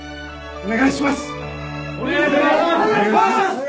お願いします！